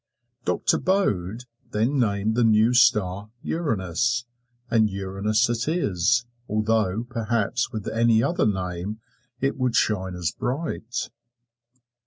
Doctor Bode then named the new star "Uranus," and Uranus it is, although perhaps with any other name 't would shine as bright.